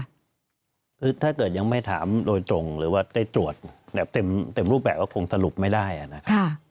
คือถ้าเกิดยังไม่ถามโดยตรงหรือว่าได้ตรวจแบบเต็มรูปแบบก็คงสรุปไม่ได้นะครับ